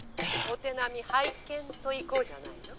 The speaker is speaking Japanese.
お手並み拝見といこうじゃないの。